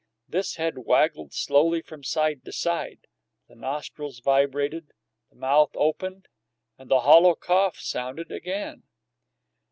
This head waggled slowly from side to side; the nostrils vibrated; the mouth opened, and the hollow cough sounded again.